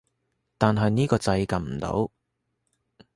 但係呢個掣撳唔到